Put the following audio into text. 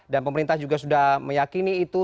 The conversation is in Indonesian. dan pemerintah juga sudah meyakini itu